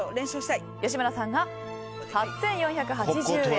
吉村さんが８４８０円。